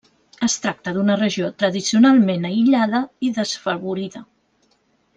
Es tracta d'una regió tradicionalment aïllada i desfavorida.